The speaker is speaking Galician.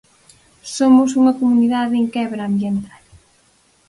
Somos unha comunidade en quebra ambiental.